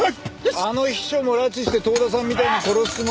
あの秘書も拉致して遠田さんみたいに殺すつもり？